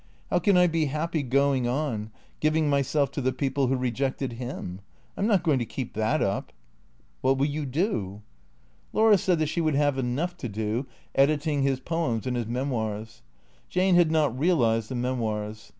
How can I be happy going on — giving myself to the people who rejected liini ? I 'm not going to keep that up." "What will you do?" 516 T 11 E C E E A T 0 R S SI? Laura said that she would have enough to do, editing his poems and his memoirs. Jane had not realized the memoirs.